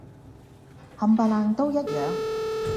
冚唪唥都一樣